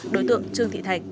đối tượng trương thị thạch